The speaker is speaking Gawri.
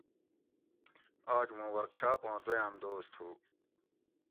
آج مُوں ورکشاپاں دویام دوس تھو